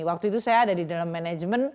waktu itu saya ada di dalam manajemen